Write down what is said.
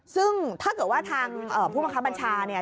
ซึ่งถ้าเกิดว่าทางผู้บังคับบัญชาเนี่ย